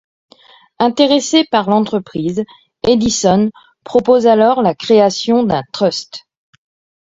Intéressé par l'entreprise, Edison propose alors la création d'un trust.